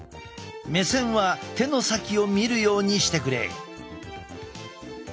目線は手の先を見るようにしてくれ。